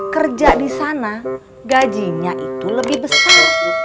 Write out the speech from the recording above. kerja di sana gajinya itu lebih besar